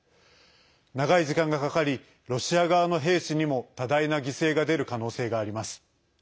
長い時間がかかりロシア側の兵士にも多大な犠牲が出る可能性があります。